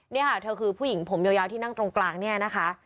นี่ค่ะเธอคือผู้หญิงผมยาวที่นั่งตรงกลางเนี่ยนะคะ